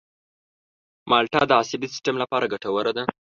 مالټه د عصبي سیستم لپاره ګټوره ده.